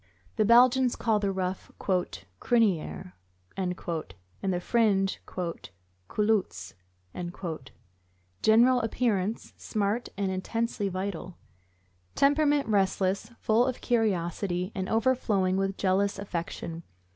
The Belgians call the ruff "criniere " and the fringe "culottes." General appearance smart and intensely vital. Temperament restless, full of curiosity, and overflowing with jealous affection.